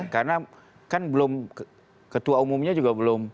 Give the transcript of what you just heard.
karena kan belum ketua umumnya juga belum